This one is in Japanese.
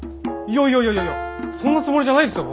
いやいやいやそんなつもりじゃないですよ